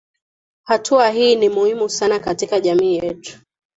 hatua hii ni muhimu sana katika jamii yetu